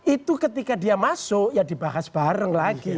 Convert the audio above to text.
itu ketika dia masuk ya dibahas bareng lagi